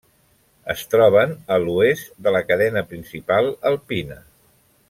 Es troben a l'oest de la cadena principal alpina.